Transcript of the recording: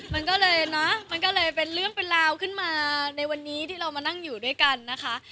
มันก็เลยเนอะมันก็เลยเป็นเรื่องเป็นราวขึ้นมาในวันนี้ที่เรามานั่งอยู่ด้วยกันนะคะ